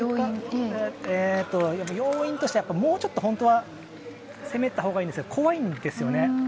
要因としてはもうちょっと攻めたほうがいいんですけど怖いんですよね。